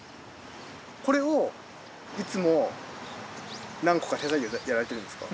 これをいつも何個か手作業でやられてるんですか？